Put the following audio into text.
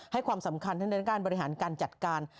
ความสำคัญทั้งด้านการบริหารการจัดการ